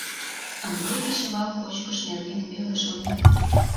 Ынде кечывал кочкыш нерген веле шоненыт.